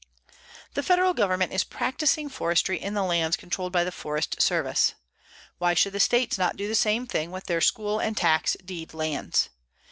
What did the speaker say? The Federal Government is practicing forestry in the lands controlled by the Forest Service. _Why should the states not do the same thing with their school and tax deed lands?